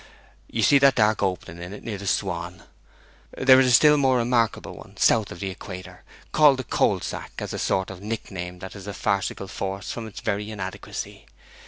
'You see that dark opening in it near the Swan? There is a still more remarkable one south of the equator, called the Coal Sack, as a sort of nickname that has a farcical force from its very inadequacy.